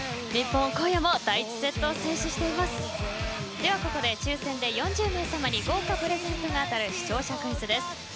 ではここで抽選で４０名さまに豪華プレゼントが当たる視聴者クイズです。